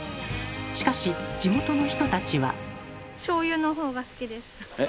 しかし地元の人たちは。